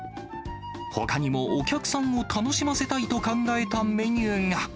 ほかにも、お客さんを楽しませたいと考えたメニューが。